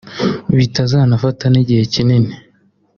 bitazanafata n’igihe kinini